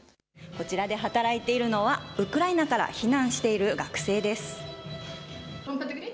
こちらで働いているのはウクライナから避難している学生です。